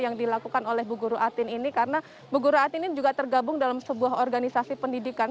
yang dilakukan oleh bu guru atin ini karena bu guru atin ini juga tergabung dalam sebuah organisasi pendidikan